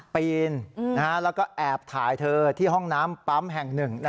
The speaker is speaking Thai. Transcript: ปีนแล้วก็แอบถ่ายเธอที่ห้องน้ำปั๊มแห่งหนึ่ง